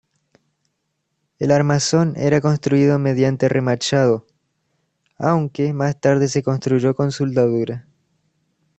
El armazón era construido mediante remachado, aunque más tarde se construyó con soldadura.